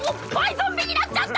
ゾンビになっちゃった！